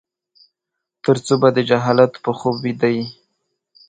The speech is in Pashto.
ترڅو به د جهالت په خوب ويده يې ؟